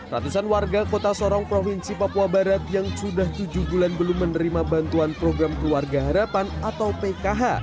ratusan warga kota sorong provinsi papua barat yang sudah tujuh bulan belum menerima bantuan program keluarga harapan atau pkh